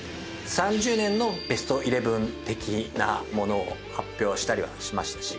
３０年のベストイレブン的なものを発表したりはしましたし